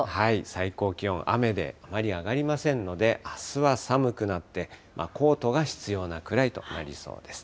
最高気温、雨であまり上がりませんので、あすは寒くなって、コートが必要なくらいとなりそうです。